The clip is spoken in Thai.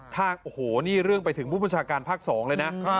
ถ้าโอ้โหนี่เรื่องไปถึงผู้บัญชาการภาค๒เลยนะ